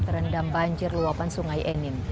terendam banjir luapan sungai engin